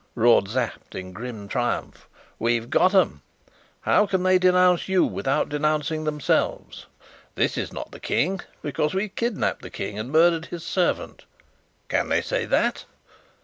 roared Sapt in grim triumph. "We've got 'em! How can they denounce you without denouncing themselves? This is not the King, because we kidnapped the King and murdered his servant. Can they say that?"